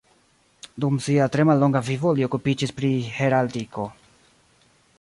Dum sia tre mallonga vivo li okupiĝis pri heraldiko.